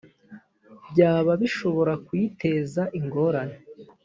byaba bishobora kuyiteza ingorane